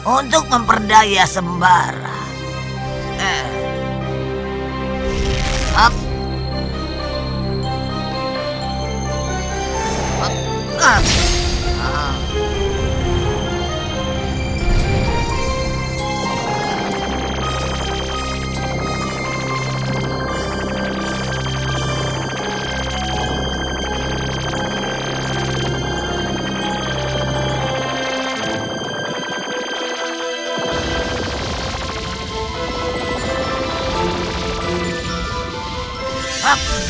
untuk memperdaya sembarang